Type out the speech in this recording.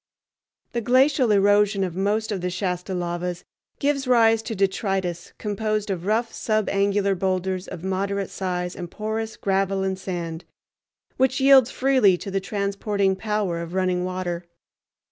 The glacial erosion of most of the Shasta lavas gives rise to detritus composed of rough subangular boulders of moderate size and porous gravel and sand, which yields freely to the transporting power of running water.